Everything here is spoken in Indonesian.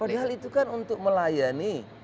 padahal itu kan untuk melayani